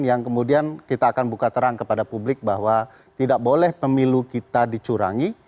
yang kemudian kita akan buka terang kepada publik bahwa tidak boleh pemilu kita dicurangi